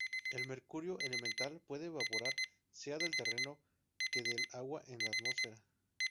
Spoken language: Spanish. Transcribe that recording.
El mercurio elemental puede evaporar sea del terreno que del agua en la atmósfera.